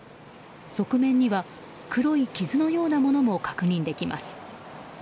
側面には黒い傷のようなものも確認できます。